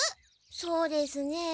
そうですねえ